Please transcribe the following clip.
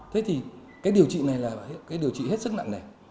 thế thì cái điều trị này là cái điều trị hết sức nặng này